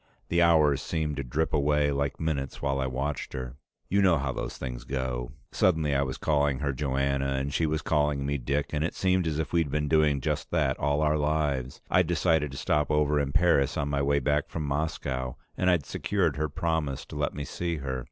The hours seemed to drip away like minutes while I watched her. You know how those things go. Suddenly I was calling her Joanna and she was calling me Dick, and it seemed as if we'd been doing just that all our lives. I'd decided to stop over in Paris on my way back from Moscow, and I'd secured her promise to let me see her.